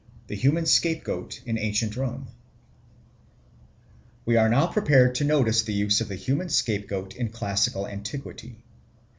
The Human Scapegoat in Ancient Rome WE are now prepared to notice the use of the human scapegoat in classical antiquity.